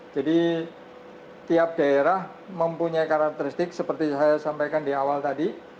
jadi tiap daerah mempunyai karakteristik seperti yang saya sampaikan di awal tadi